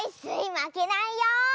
まけないよ！